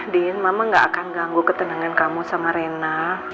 di mama gak akan ganggu ketenangan kamu sama rena